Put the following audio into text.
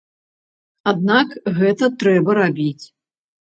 Аднак гэта трэба рабіць.